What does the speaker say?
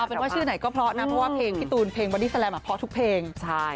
เอาเป็นว่าชื่อไหนก็เพราะนะเพราะว่าเพลงพี่ตูนเพลงวันนี้สแรมเพราะทุกเพลง